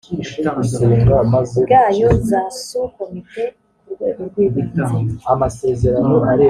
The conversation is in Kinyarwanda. bwayo za sous komite ku rwego rw ibanze